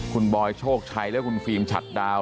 คุณบอยโชคชัยและคุณฟิล์มฉัดดาว